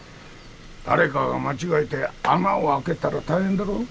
誰かが間違えて穴を開けたら大変だろう？